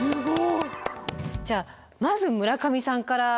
じゃあまず村上さんから。